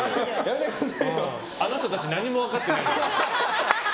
あなたたち、何も分かってない。